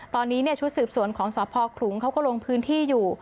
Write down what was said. ตอนนี้ชุดสืบสวนของสพคลุงเขาก็ลงพื้นที่อยู่